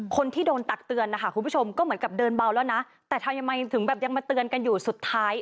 คนที่โดนตักเตือนนะคะคุณผู้ชมก็เหมือนกับเดินเบาแล้วนะแต่ทำยังไงถึงแบบยังมาเตือนกันอยู่สุดท้าย